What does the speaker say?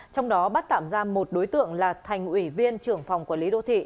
trong đó bắt tạm ra một đối tượng là thành ủy viên trưởng phòng quản lý đô thị